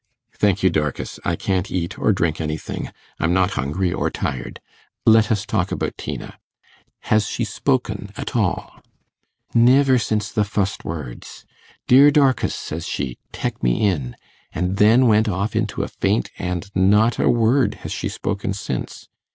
'Thank you, Dorcas; I can't eat or drink anything. I'm not hungry or tired. Let us talk about Tina. Has she spoken at all?' 'Niver since the fust words. "Dear Dorkis," says she, "tek me in;" an' then went off into a faint, an' not a word has she spoken since.